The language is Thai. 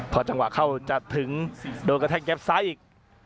พอจังหวะเข้าจะถึงโดนกระแทกแยบซ้ายอีก